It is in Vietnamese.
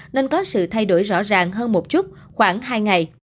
nên có sự thay đổi rõ ràng hơn một chút khoảng hai ngày